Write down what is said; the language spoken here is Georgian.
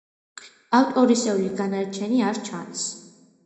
ავტორისეული განაჩენი არ ჩანს.